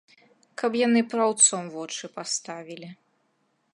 Каб яны праўцом вочы паставілі.